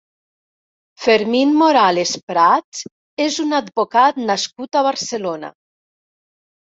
Fermín Morales Prats és un advocat nascut a Barcelona.